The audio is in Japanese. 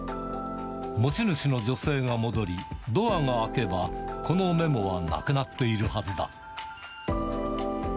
持ち主の女性が戻り、ドアが開けば、このメモはなくなっているはずだ。